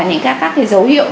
những các cái dấu hiệu